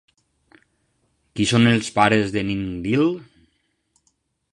Qui són els pares de Ninlil?